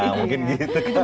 nah mungkin gitu kan